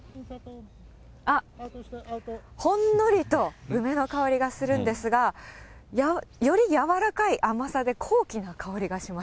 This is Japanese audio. あっ、ほんのりと梅の香りがするんですが、よりやわらかい甘さで高貴な香りがします。